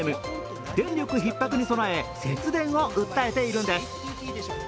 電力ひっ迫に備え、節電を訴えているんです。